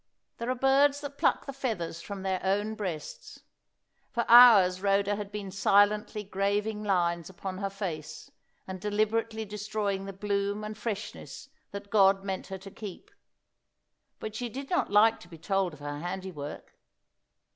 There are birds that pluck the feathers from their own breasts. For hours Rhoda had been silently graving lines upon her face, and deliberately destroying the bloom and freshness that God meant her to keep. But she did not like to be told of her handiwork.